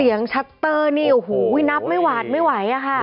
เสียงชัตเตอร์นี่โอ้โหนับไม่ไหวไม่ไหวอ่ะค่ะ